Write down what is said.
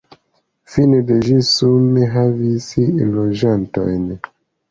Fine de ĝi sume havis loĝantojn.